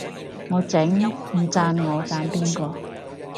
我整，唔讚我讚邊個